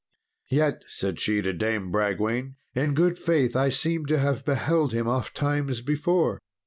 "Yet," said she to Dame Bragwaine, "in good faith I seem to have beheld him ofttimes before."